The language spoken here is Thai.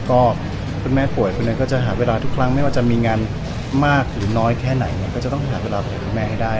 ก็คุณแม่ป่วยคนนั้นก็จะหาเวลาทุกครั้งไม่ว่าจะมีงานมากหรือน้อยแค่ไหนเนี่ยก็จะต้องหาเวลาไปคุยกับคุณแม่ให้ได้